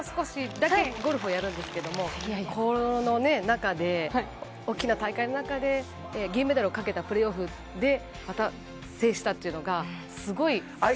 私も少しだけゴルフをやるんですけれど、この大きな大会の中で銀メダルをかけたプレーオフで、制したっていうのがすごいです。